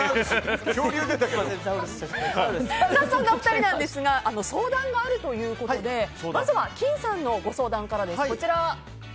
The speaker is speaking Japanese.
そんなお二人ですが相談があるということでまずは、きんさんのご相談からです。